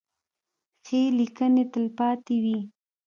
ښې لیکنې تلپاتې وي.